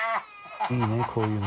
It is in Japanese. いいねこういうの。